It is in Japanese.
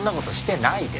ないです。